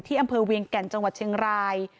อำเภอเวียงแก่นจังหวัดเชียงราย